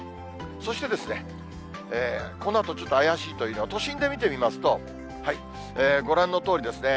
そしてですね、このあとちょっと怪しいというと、都心で見てみますと、ご覧のとおりですね。